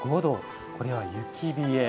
これは「雪冷え」。